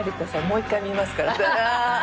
もう一回見ますから。